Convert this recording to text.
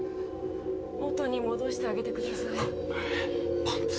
元に戻してあげてください。